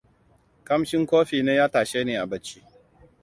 Kamshin kofi ne ya tashe ni a barci.